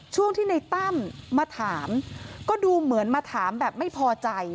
ช่วงที่ในตั้มมาถามก็ดูเหมือนมาถามแบบไม่พอใจ